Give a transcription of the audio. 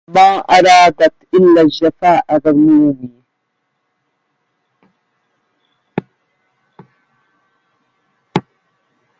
ما أرادت إلا الجفاء ظلوم